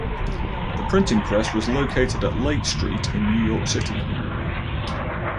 The printing press was located at Laight Street in New York City.